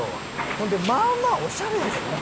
ほんでまあまあオシャレやぞ。